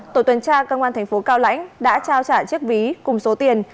tổ tuần tra công an thành phố cao lãnh đã trao trả chiếc ví cùng số tiền